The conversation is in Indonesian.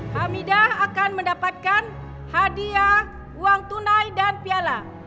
hamidah akan mendapatkan hadiah uang tunai dan piala